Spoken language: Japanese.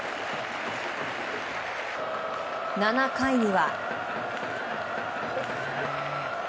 ７回には。